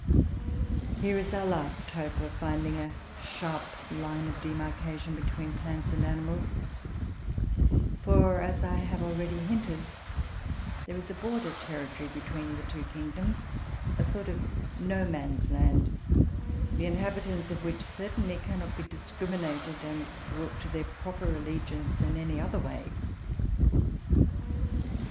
Here is our last hope of finding a sharp line of demarcation between plants and animals; for, as I have already hinted, there is a border territory between the two kingdoms, a sort of no man's land, the inhabitants of which certainly cannot be discriminated and brought to their proper allegiance in any other way.